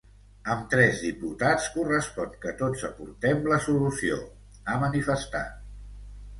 Amb tres diputats correspon que tots aportem la solució, ha manifestat.